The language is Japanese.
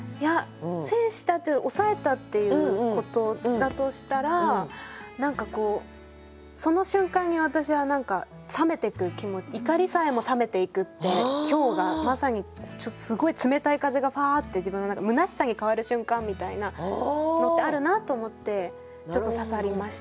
「制した」って抑えたっていうことだとしたら何かこうその瞬間に私は何か冷めてく気持ち怒りさえも冷めていくって氷河まさにすごい冷たい風がパーッて自分のむなしさに変わる瞬間みたいなのってあるなと思ってちょっと刺さりましたね。